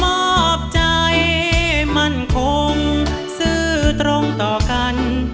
มอบใจมั่นคงซื้อตรงต่อกัน